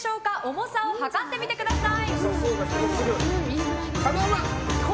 重さを量ってみてください。